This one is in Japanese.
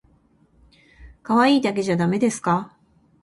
かわいいだけじゃだめですか？